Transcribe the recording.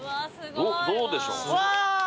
どどうでしょう？